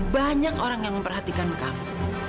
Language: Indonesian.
banyak orang yang memperhatikan kamu